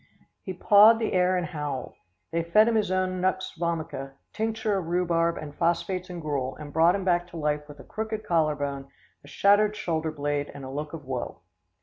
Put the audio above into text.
He pawed the air and howled. They fed him his own nux vomica, tincture of rhubarb and phosphates and gruel, and brought him back to life with a crooked collar bone, a shattered shoulder blade and a look of woe.